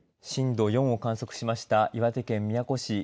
震度４を観測しました岩手県宮古市